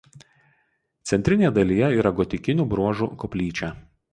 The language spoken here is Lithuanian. Centrinėje dalyje yra gotikinių bruožų koplyčia.